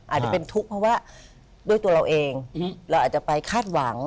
อาจจะเป็นทุกข์เพราะว่าด้วยตัวเราเองเราอาจจะไปคาดหวัง